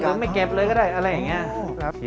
ไม่เก็บเลยก็ได้อะไรอย่างนี้